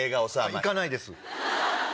行かないです。